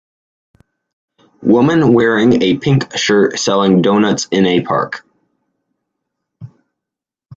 women wearing a pink shirt selling donuts in a park.